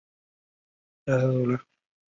目前也是杨氏蜥的一个次异名。